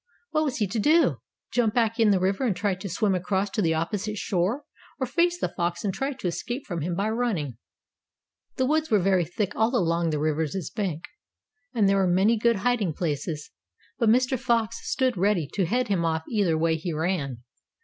What was he to do? Jump back in the river and try to swim across to the opposite shore, or face the fox and try to escape from him by running? The woods were very thick all along the river's bank, and there were many good hiding places; but Mr. Fox stood ready to head him off either way he ran.